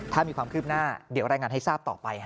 ถ้ามีความคืบหน้าเดี๋ยวรายงานให้ทราบต่อไป